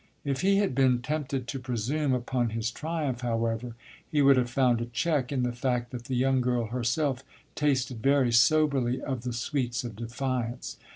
If he had been tempted to presume upon his triumph, however, he would have found a check in the fact that the young girl herself tasted very soberly of the sweets of defiance.